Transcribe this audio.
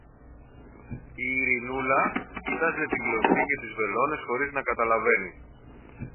Η Ειρηνούλα κοίταζε την κλωστή και τις βελόνες χωρίς να καταλαβαίνει.